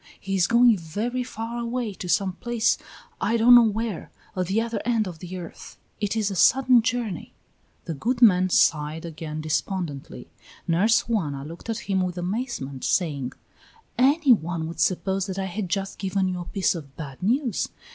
He is going very far away, to some place, I don't know where, at the other end of the earth. It is a sudden journey." The good man sighed again despondently; Nurse Juana looked at him with amazement, saying: "Any one would suppose that I had just given you a piece of bad news.